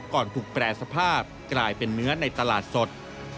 ถูกแปรสภาพกลายเป็นเนื้อในตลาดสด